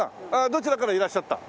どちらからいらっしゃった？